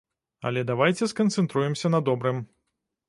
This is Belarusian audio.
Але давайце сканцэнтруемся на добрым.